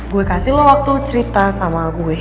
gue kasih loh waktu cerita sama gue